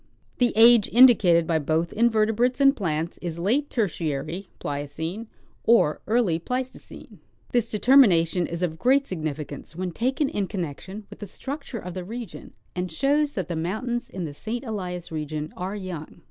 The age indicated by both invertebrates and plants is late Ter tiary (Pliocene) or early Pleistocene. This determination is of great significance when taken in connection with the structure of the region, and shows that the mountains in the St. Elias region are young.